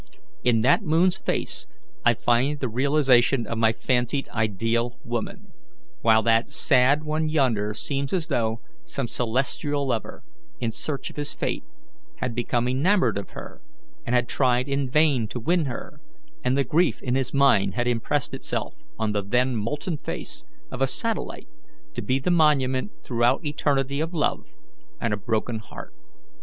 In that moon's face I find the realization of my fancied ideal woman; while that sad one yonder seems as though some celestial lover, in search of his fate, had become enamoured of her, and tried in vain to win her, and the grief in his mind had impressed itself on the then molten face of a satellite to be the monument throughout eternity of love and a broken heart.